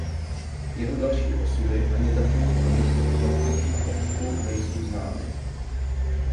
Jeho další osudy ani datum a místo úmrtí a pohřbu nejsou známy.